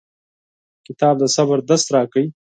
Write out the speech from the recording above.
کتاب د صبر درس راکوي.